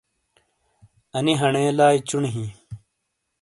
انی ہَنے لائی چُونی ہِیں ۔